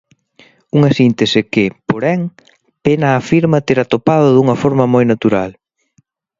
Unha síntese que, porén, Pena afirma ter atopado dunha forma moi natural.